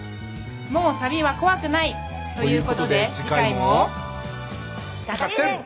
もうサビは怖くない。ということで次回も。